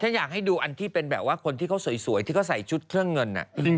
อยากให้ดูอันที่เป็นแบบว่าคนที่เขาสวยที่เขาใส่ชุดเครื่องเงิน